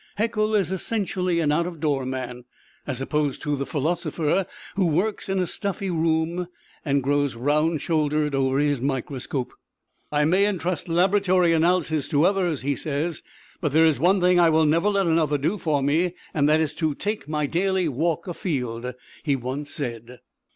Haeckel is essentially an out of door man, as opposed to the philosopher who works in a stuffy room, and grows round shouldered over his microscope. "I may entrust laboratory analyses to others, but there is one thing I will never let another do for me, and that is take my daily walk a field," he once said.